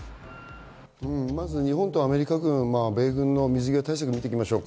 まず日本とアメリカ軍、米軍の水際対策を見ていきましょう。